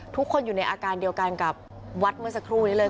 ทุกคนอยู่ในอาการเดียวกันกับวัดเมื่อสักครู่นี้เลย